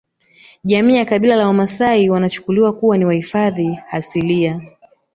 Jamii ya kabila la wamasai wanachukuliwa kuwa ni wahifadhi asilia